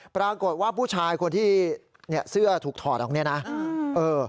ปรากฏว่าผู้ชายคนที่เนี่ยเสื้อถูกถอดออกเนี่ยนะเออ